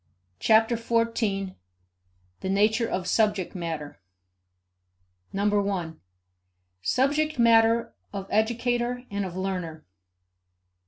Chapter Fourteen: The Nature of Subject Matter 1. Subject Matter of Educator and of Learner.